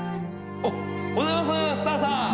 おはようございますスターさん！